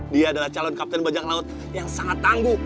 dia adalah calon kapten bajak laut yang sangat tangguh